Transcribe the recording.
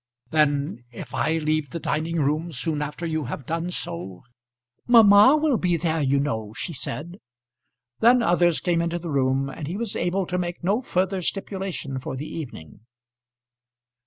"Then if I leave the dining room soon after you have done so " "Mamma will be there, you know," she said. Then others came into the room and he was able to make no further stipulation for the evening.